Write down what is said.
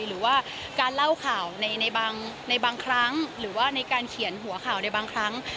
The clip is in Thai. หรือว่าการเล่าข่าวในบางครั้งหรือว่าในการเขียนหัวข่าวในบางครั้ง